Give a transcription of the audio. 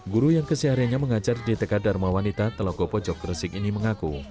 guru yang keseharianya mengajar dtk dharma wanita telokopo jogresik ini mengaku